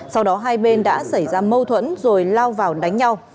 sau đó hai bên đã xảy ra mâu thuẫn rồi lao vào đánh nhau